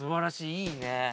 いいね。